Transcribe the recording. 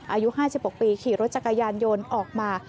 อายุ๕๖ปีขี่รถจักรยานยนต์ออกมา